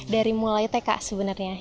dari mulai tk sebenarnya